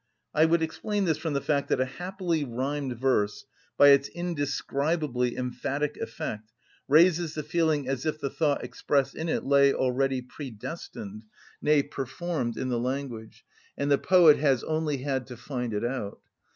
I would explain this from the fact that a happily rhymed verse, by its indescribably emphatic effect, raises the feeling as if the thought expressed in it lay already predestined, nay, performed in the language, and the poet has only had to find it out.